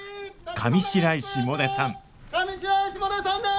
上白石萌音さんです！